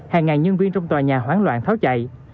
hàng ngàn nhân viên trong tòa nhà hoán loạn tháo chạy